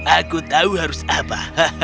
aku tahu harus apa